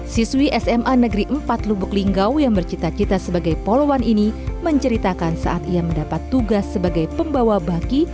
siswi sma negeri empat lubuk linggau yang bercita cita sebagai poluan ini menceritakan saat ia mendapat tugas sebagai pembawa baki